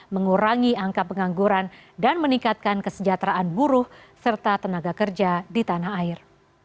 mengurangi angka pengangguran dan meningkatkan kesejahteraan buruh serta tenaga kerja di tanah air